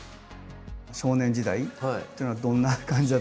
少年時代っていうのはどんな感じだったの？